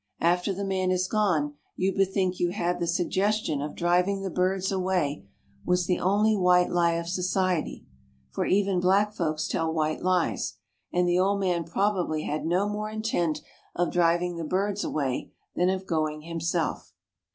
After the man has gone you bethink you that the suggestion of driving the birds away was only the white lie of society (for even black folks tell white lies), and the old man probably had no more intent of driving the birds away than of going himself.